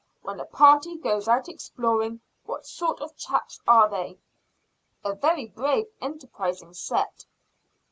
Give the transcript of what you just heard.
"When a party goes out exploring, what sort of chaps are they?" "A very brave, enterprising set."